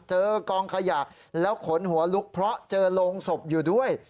เจอกองขยะแล้วขนหัวลุกเพราะเจอโรงศพอยู่ด้วย